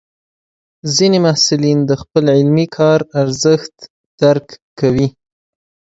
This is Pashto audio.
ځینې محصلین د خپل علمي کار ارزښت درکوي.